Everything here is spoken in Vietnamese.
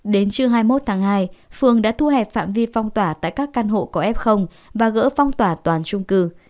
đến trưa hai mươi một tháng hai phường đã thu hẹp phạm vi phong tỏa tại các căn hộ có f và gỡ phong tỏa toàn trung cư